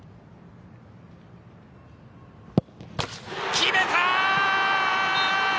決めた！